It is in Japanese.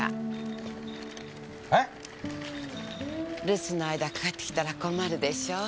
留守の間かかってきたら困るでしょう？